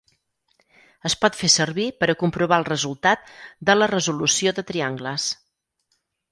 Es pot fer servir per a comprovar el resultat de la resolució de triangles.